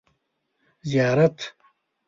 ـ زیارت.